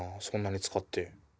そんなに使って。